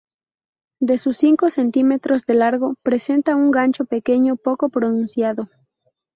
De unos cinco centímetros de largo presenta un gancho pequeño, poco pronunciado.